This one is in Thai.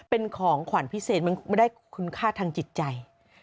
เป็นของขวัญพิเศษมันไม่ได้คุณค่าทางจิตใจ